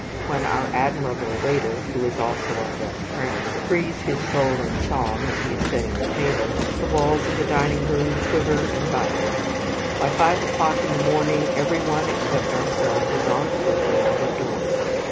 When our admirable waiter who is also our best friend frees his soul in song as he is setting the table, the walls of the dining room quiver and vibrate. By five o'clock in the morning every one except ourselves is on foot and out of doors.